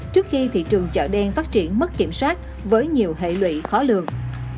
trước khi thị trường chợ đen phát triển mất kiểm soát với nhiều hệ lụy khó lường